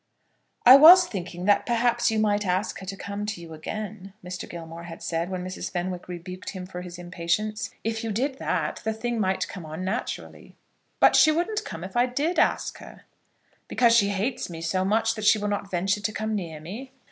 "I was thinking that perhaps you might ask her to come to you again," Mr. Gilmore had said when Mrs. Fenwick rebuked him for his impatience. "If you did that, the thing might come on naturally." "But she wouldn't come if I did ask her." "Because she hates me so much that she will not venture to come near me?"